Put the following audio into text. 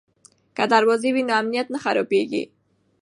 که دروازه وي نو امنیت نه خرابېږي.